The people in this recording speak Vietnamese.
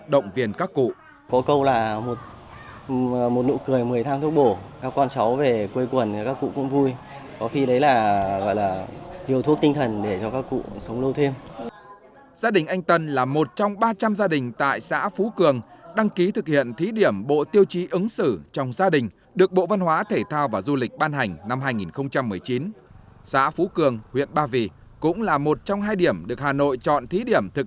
đó cũng chính là điều mà bộ văn hóa thể thao và du lịch đang thực hiện thí điểm bộ tiêu chí ứng xử văn hóa trong gia đình tại một mươi hai tỉnh trong cả nước